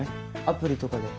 アプリとかで。